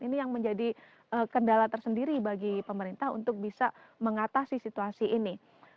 ini yang menjadi kendala tersendiri bagi pemerintah untuk bisa mengatasi situasi ini